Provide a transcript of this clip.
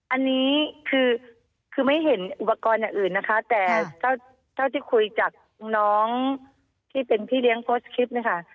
อันนี้คือคือไม่เห็นอุปกรณ์อย่างอื่นนะคะแต่เท่าที่คุยจากน้องที่เป็นพี่เลี้ยงโพสต์คลิปเนี่ยค่ะ